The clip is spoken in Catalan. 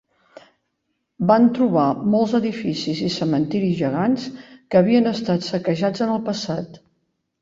Van trobar molts edificis i cementiris gegants que havien estat saquejats en el passat.